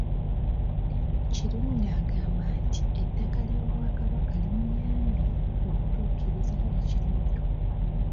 Kirumira agamba nti ettaka ly’Obwakabaka limuyambye okutuukiriza ekirooto.